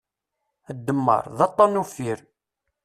Ddemmar, d aṭṭan uffir.